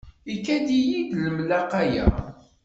Ikad-iyi-d nemlaqa ya.